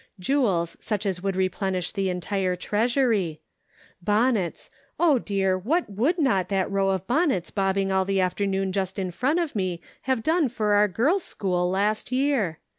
Jewels such as would replenish the entire treasury. Bonnets oh, dear, what would not that row of bonnets bobbing all the afternoon just in front of me have done for our girls' school last year.